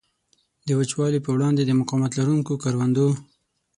د وچوالي په وړاندې د مقاومت لرونکو کروندو.